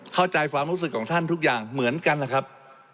เข้าใจความรู้สึกของท่านทุกอย่างเหมือนกันล่ะครับ